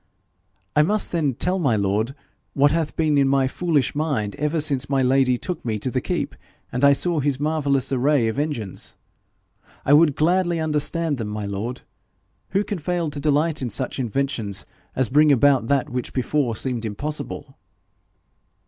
'I must then tell my lord what hath been in my foolish mind ever since my lady took me to the keep, and I saw his marvellous array of engines. I would glady understand them, my lord. Who can fail to delight in such inventions as bring about that which before seemed impossible?'